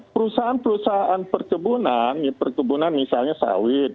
perusahaan perusahaan perkebunan perkebunan misalnya sawit